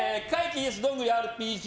ＹｅｓどんぐりＲＰＧ。